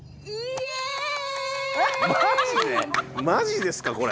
マジですか？